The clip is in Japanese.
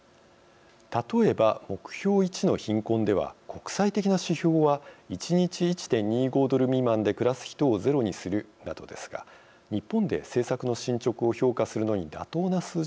例えば目標１の「貧困」では国際的な指標は１日１．２５ドル未満で暮らす人をゼロにするなどですが日本で政策の進捗を評価するのに妥当な数字とは言えません。